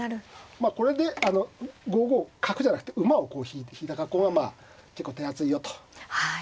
まあこれで５五角じゃなくて馬を引いた格好が結構手厚いよと。